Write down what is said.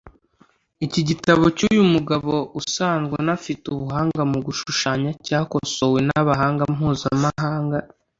Iki gitabo cy’uyu mugabo usanzwe unafite ubuhanga mu gushushanya cyakosowe n’abahanga mpuzamahanga